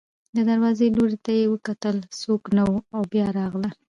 د دروازې لوري ته یې وکتل، څوک نه و او بیا راغله.